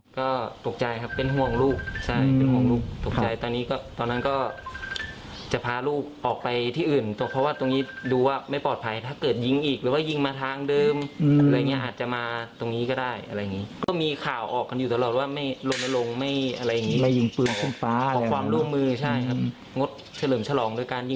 งดเฉลิมฉลองด้วยการยิงปืนขึ้นฟ้าอะไรอย่างนี้